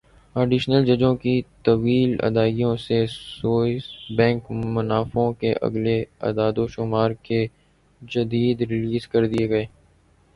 additional ججوں کی طویل ادائیگیوں سے سوئس بینک منافعوں کے اگلے اعدادوشمار کے جدول ریلیز کر دیے گئے